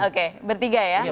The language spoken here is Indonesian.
oke bertiga ya